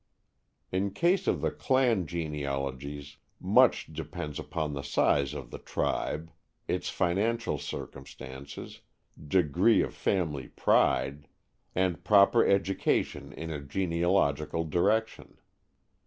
In the case of "clan" genealogies, much depends upon the size of the "tribe," its financial circumstances, degree of family pride, and proper education in a genealogical direction.